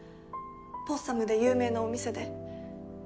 ポッサムで有名なお店で。